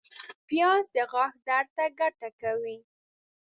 پیاز د غاښ درد ته ګټه کوي